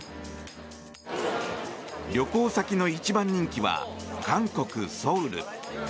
旅行先の一番人気は韓国ソウル。